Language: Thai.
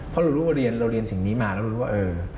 เพราะเรารู้ว่าเรียนสิ่งนี้มาแล้วเรารู้ว่า